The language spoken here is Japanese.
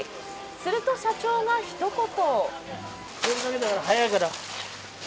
すると社長がひと言。